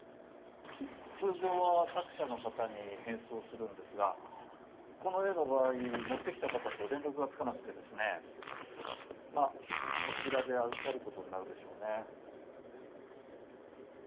通常は作者の方に返送するんですがこの絵の場合持ってきた方と連絡がつかなくてですねまっこちらで預かることになるでしょうね